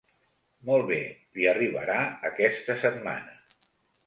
Molt bé, li arribarà aquesta setmana.